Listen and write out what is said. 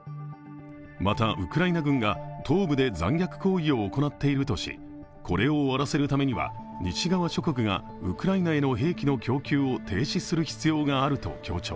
また、ウクライナ軍が東部で残虐行為を行っているとしこれを終わらせるためには西側諸国がウクライナへの兵器の供給を停止する必要があると強調。